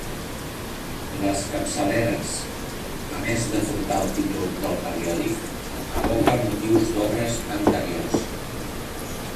Les capçaleres, a més de portar el títol del periòdic, evoca motius d'obres anteriors.